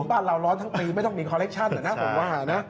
บ้านเราร้อนทั้งปีไม่ต้องมีคอเล็กชั่นนะผมว่านะ